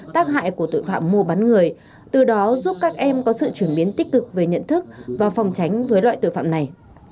tác hại của tội phạm mua bán người từ đó giúp các em có sự chuyển biến tích cực về nhận thức và phòng tránh với loại tội phạm này